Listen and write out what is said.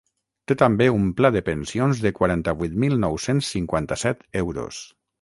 Té també un pla de pensions de quaranta-vuit mil nou-cents cinquanta-set euros.